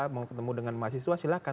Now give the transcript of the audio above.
mau ketemu dengan mahasiswa silahkan